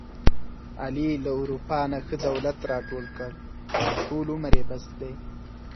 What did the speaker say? علي له اروپا نه ښه دولت راټول کړ، ټول عمر یې بس دی.